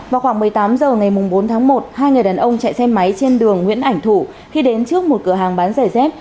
vào khoảng một mươi tám h ngày bốn tháng một hai người đàn ông chạy xe máy trên đường nguyễn ảnh thủ khi đến trước một cửa hàng bán giày dép